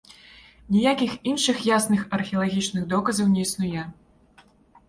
Ніякіх іншых ясных археалагічных доказаў не існуе.